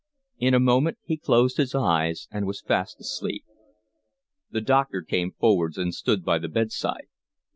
In a moment he closed his eyes and was fast asleep. The doctor came forwards and stood by the bed side.